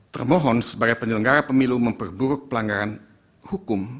termohon sebagai penyelenggara pemilu memperburuk pelanggaran hukum